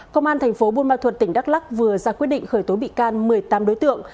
công an thành phố buôn ma thuật tỉnh đắk lắc vừa ra quyết định khởi tố bị can một mươi tám đối tượng